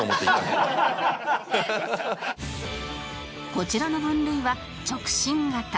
こちらの分類は直進型